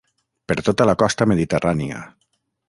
Per tota la costa mediterrània...